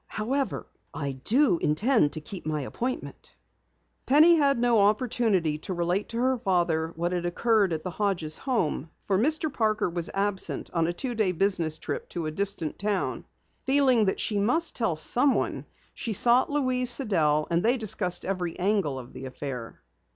"However, I do intend to keep my appointment." Penny had no opportunity to relate to her father what had occurred at the Hodges home, for Mr. Parker was absent on a two day business trip to a distant town. Feeling that she must tell someone, she sought Louise Sidell, and they discussed every angle of the affair.